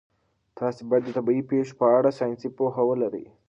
تاسي باید د طبیعي پېښو په اړه ساینسي پوهه ولرئ.